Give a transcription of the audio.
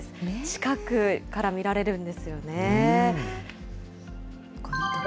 近くから見られるんですよね。